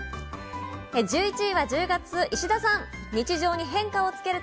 １１位は１０月、石田さん。